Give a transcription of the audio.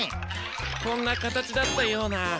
こんなかたちだったような。